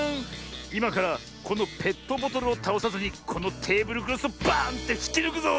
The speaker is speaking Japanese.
いまからこのペットボトルをたおさずにこのテーブルクロスをバーンってひきぬくぞ。